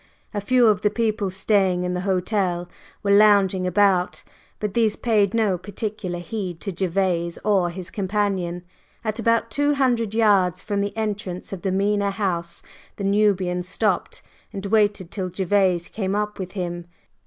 A few of the people staying in the hotel were lounging about, but these paid no particular heed to Gervase or his companion. At about two hundred yards from the entrance of the Mena House, the Nubian stopped and waited till Gervase came up with him.